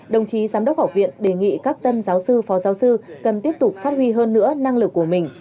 đồng chí giám đốc học viện đề nghị các tân giáo sư phó giáo sư cần tiếp tục phát huy hơn nữa năng lực của mình